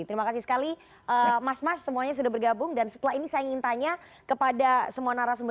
terima kasih sekali mas mas semuanya sudah bergabung dan setelah ini saya ingin tanya kepada semua narasumber